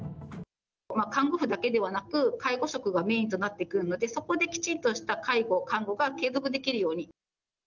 看護婦だけではなく、介護職がメインとなってくるので、そこできちんとした介護、看護が継続できるように。